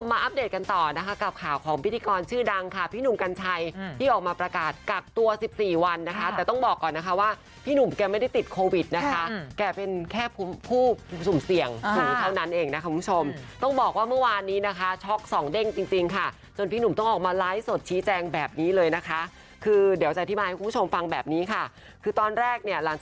อัปเดตกันต่อนะคะกับข่าวของพิธีกรชื่อดังค่ะพี่หนุ่มกัญชัยที่ออกมาประกาศกักตัว๑๔วันนะคะแต่ต้องบอกก่อนนะคะว่าพี่หนุ่มแกไม่ได้ติดโควิดนะคะแกเป็นแค่ผู้สุ่มเสี่ยงสูงเท่านั้นเองนะคะคุณผู้ชมต้องบอกว่าเมื่อวานนี้นะคะช็อกสองเด้งจริงค่ะจนพี่หนุ่มต้องออกมาไลฟ์สดชี้แจงแบบนี้เลยนะคะคือเดี๋ยวจะอธิบายให้คุณผู้ชมฟังแบบนี้ค่ะคือตอนแรกเนี่ยหลังจาก